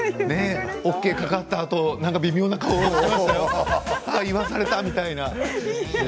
ＯＫがかかったあと微妙な顔して言わされてみたいな。